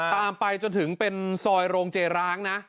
ตามไปจนถึงเป็นซอยโรงเจร้างนะ